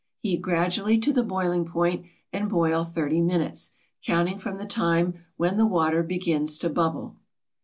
Heat gradually to the boiling point and boil thirty minutes, counting from the time when the water begins to bubble.